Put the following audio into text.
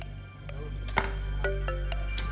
dalam olahraga panahan modern misalnya